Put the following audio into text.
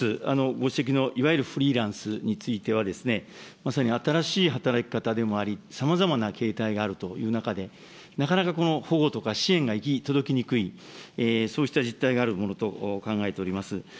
ご指摘のいわゆるフリーランスについては、まさに新しい働き方でもあり、さまざまな形態があるという中で、なかなか保護とか支援が行き届きにくい、そうした実態があるものと考えております。